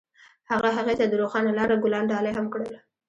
هغه هغې ته د روښانه لاره ګلان ډالۍ هم کړل.